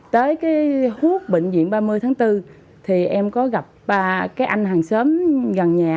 tới cái huốt bệnh viện ba mươi tháng bốn thì em có gặp cái anh hàng xóm gần nhà